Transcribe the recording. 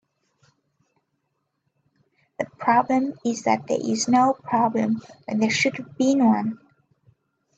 The problem is that there is no problem when there should have been one.